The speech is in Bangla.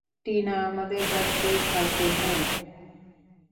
টিনা আমাদের বাড়িতেই থাকবে, - হ্যাঁ।